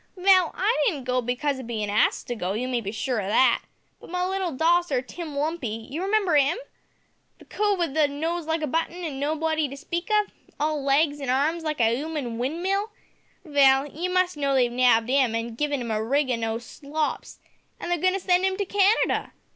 "Vell, I didn't go because of bein' axed to go, you may be sure o' that, but my little dosser, Tim Lumpy, you remember 'im? The cove wi' the nose like a button, an' no body to speak of all legs an' arms, like a 'uman win' mill; vell, you must know they've nabbed 'im, an' given 'im a rig out o' noo slops, an' they're goin' to send 'im to Canada.